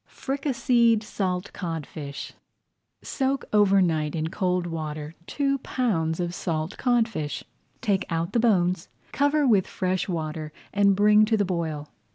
FRICASSÉED SALT CODFISH Soak over night in cold water two pounds of salt codfish. Take out the bones, cover with fresh water, and bring to the boil.